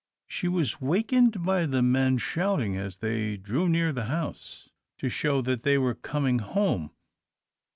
She was wakened by the men shouting as they drew near the house, to show that they were coming home.